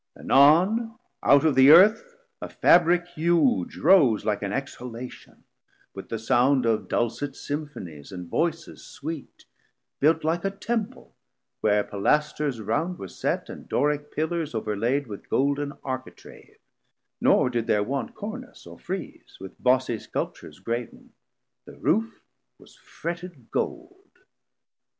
Anon out of the earth a Fabrick huge 710 Rose like an Exhalation, with the sound Of Dulcet Symphonies and voices sweet, Built like a Temple, where Pilasters round Were set, and Doric pillars overlaid With Golden Architrave; nor did there want Cornice or Freeze, with bossy Sculptures grav'n, The Roof was fretted Gold.